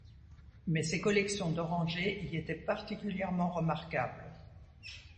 Mais ses collections d'orangers y étaient particulièrement remarquables.